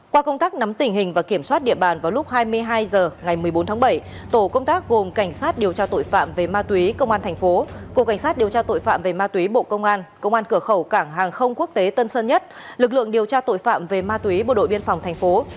qua công tác nắm tình hình và kiểm soát địa bàn vào lúc hai mươi hai h ngày một mươi bốn tháng bảy tổ công tác gồm cảnh sát điều tra tội phạm về ma túy công an thành phố cục cảnh sát điều tra tội phạm về ma túy bộ công an công an cửa khẩu cảng hàng không quốc tế tân sơn nhất lực lượng điều tra tội phạm về ma túy bộ đội biên phòng thành phố